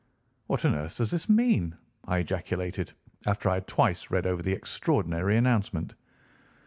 "What on earth does this mean?" I ejaculated after I had twice read over the extraordinary announcement.